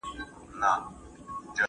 ستا حضور ته وم لویدلی چې قیامت شو